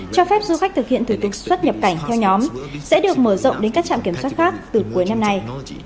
cho phép du khách thực hiện thủ tục xuất nhập cảnh theo nhóm sẽ được mở rộng đến các trạm kiểm soát khác từ cuối năm nay